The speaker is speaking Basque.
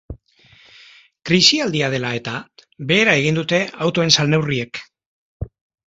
Krisialdia dela eta, behera egin dute autoen salneurriek.